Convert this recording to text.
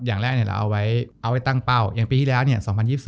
อย่างแรกเอาไว้ตั้งเป้ายังปีที่แล้ว๒๐๒๒ฯเนี่ย